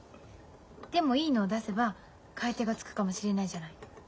でもいいのを出せば買い手がつくかもしれないじゃない。